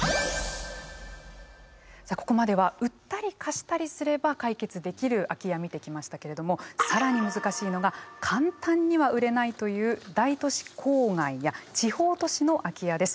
さあここまでは売ったり貸したりすれば解決できる空き家見てきましたけれども更に難しいのが簡単には売れないという大都市郊外や地方都市の空き家です。